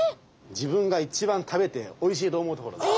自分が一番食べておいしいと思うところです。